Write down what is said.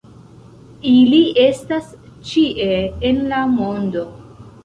Ili estas ĉie en la mondo.